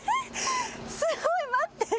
すごい、待って。